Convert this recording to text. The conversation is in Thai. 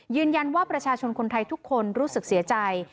ยืนยันว่าประชาชนคนไทยทุกคนรู้สึกเสียใจ